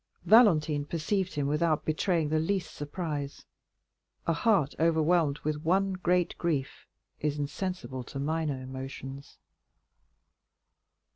Valentine perceived him without betraying the least surprise. A heart overwhelmed with one great grief is insensible to minor emotions.